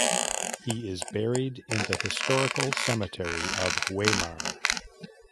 He is buried in the historical cemetery of Weimar.